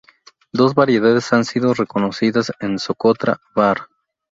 Dos variedades han sido reconocidas en Socotra; var.